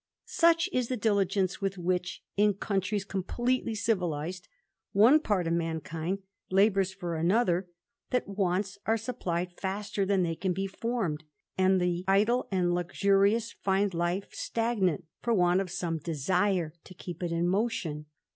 S'lch is the diligence with which, in countries completely nvilized, one part of mankind labours for another, that vants are supplied faster than they can be formed, and the die and luxurious find life stagnate for want of some desire o keep it in motion.